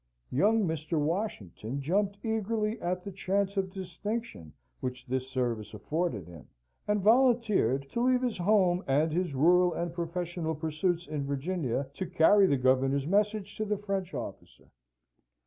Young Mr. Washington jumped eagerly at the chance of distinction which this service afforded him, and volunteered to leave his home and his rural and professional pursuits in Virginia, to carry the governor's message to the French officer.